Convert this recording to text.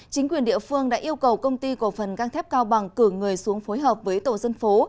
chính quyền địa phương đã yêu cầu công ty cổ phần gang thép cao bằng cử người xuống phối hợp với tổ dân phố